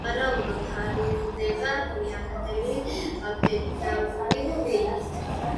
სავარაუდოდ თარიღდება გვიანდელი ფეოდალური ხანით.